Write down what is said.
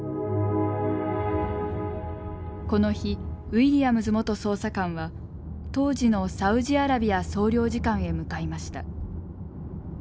この日ウィリアムズ元捜査官は当時のサウジアラビア総領事館へ向かいました。